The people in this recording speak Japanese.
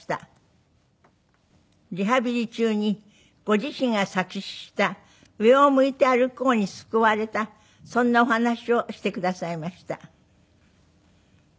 リハビリ中にご自身が作詞した『上を向いて歩こう』に救われたそんなお話をしてくださいました。